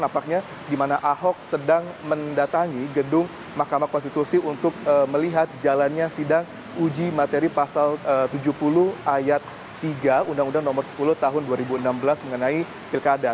nampaknya di mana ahok sedang mendatangi gedung mahkamah konstitusi untuk melihat jalannya sidang uji materi pasal tujuh puluh ayat tiga undang undang nomor sepuluh tahun dua ribu enam belas mengenai pilkada